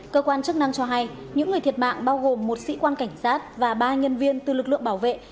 cơ quan chức năng cho hay những người thiệt mạng bao gồm một sĩ quan cảnh sát và ba nhân viên từ lực lượng bảo vệ